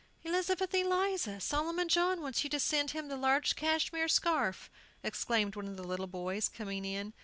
"Elizabeth Eliza! Solomon John wants you to send him the large cashmere scarf!" exclaimed one of the little boys, coming in.